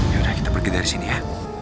yaudah kita pergi dari sini ya